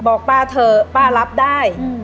บอกป้าเถอะป้ารับได้